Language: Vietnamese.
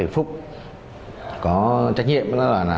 phúc có trách nhiệm